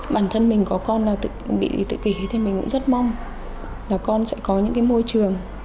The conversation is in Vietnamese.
bản thân mình có con là bị tự kỷ thì mình cũng rất mong là con sẽ có những cái môi trường